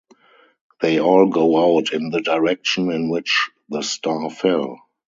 They all go out in the direction in which the star fell.